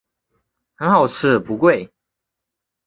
很好吃不贵